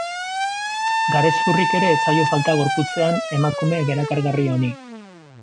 Garezurrik ere ez zaio falta gorputzean emakume erakargarri honi.